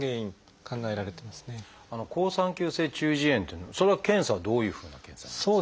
好酸球性中耳炎っていうのはそれは検査はどういうふうな検査なんですか？